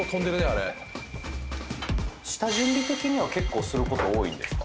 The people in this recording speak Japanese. あれ下準備的には結構すること多いんですか？